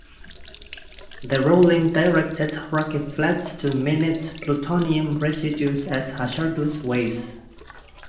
The ruling directed Rocky Flats to manage plutonium residues as hazardous waste.